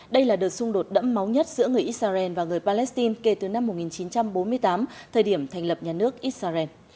đây là đợt xung đột đẫm máu nhất giữa người israel và người palestine kể từ năm một nghìn chín trăm bốn mươi tám thời điểm thành lập nhà nước israel